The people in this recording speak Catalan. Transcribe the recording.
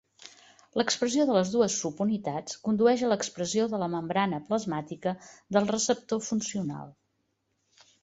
L'expressió de les dues subunitats condueix a l'expressió de la membrana plasmàtica del receptor funcional.